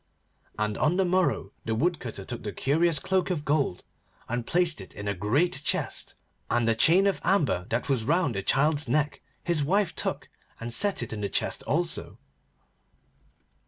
And on the morrow the Woodcutter took the curious cloak of gold and placed it in a great chest, and a chain of amber that was round the child's neck his wife took and set it in the chest also.